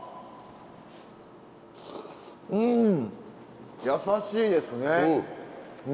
うんやさしいですね。ね。